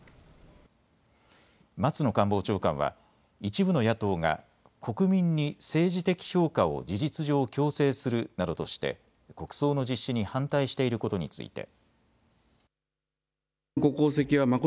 松野官房長官は一部の野党が国民に政治的評価を事実上、強制するなどとして国葬の実施に反対していることについて。